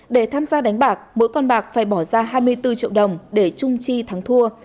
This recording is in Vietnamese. để tham gia đánh bạc mỗi con bạc phải bỏ ra hai mươi bốn triệu đồng để trung chi thắng thua